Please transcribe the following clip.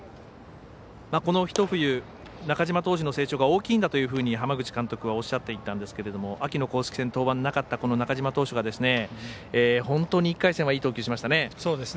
この一冬、中嶋選手の成長が大きいんだという話を浜口監督おっしゃってたんですけど秋の公式戦登板のなかった中嶋投手が本当に１回戦いい投球しましたね。